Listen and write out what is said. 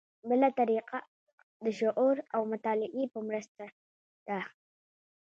بله طریقه د شعور او مطالعې په مرسته ده.